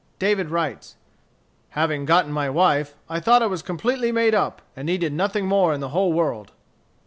David writes: "Having gotten my wife, I thought I was completely made up, and needed nothing more in the whole world."